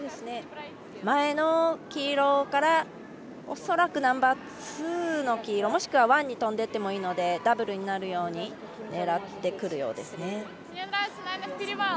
前の黄色から恐らくナンバーツーの黄色もしくはワンに飛んでいってもいいのでダブルになるように狙ってくるようです。